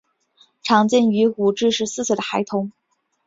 常见于五至十四岁孩童。